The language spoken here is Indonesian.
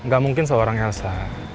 gak mungkin seorang elsa